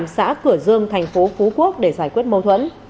xã cửa dương tp phú quốc để giải quyết mâu thuẫn